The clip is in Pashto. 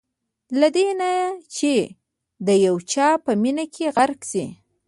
له دې نه چې د یو چا په مینه کې غرق شئ.